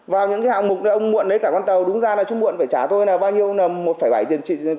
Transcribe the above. vào những cái hạng mục ông muộn lấy cả con tàu đúng ra là chú muộn phải trả tôi là bao nhiêu là một bảy tỷ tiền thuế nữa đúng không